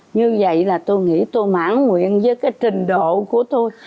như vậy là tôi nghĩ tôi mãn nguyện với cái trình độ của tôi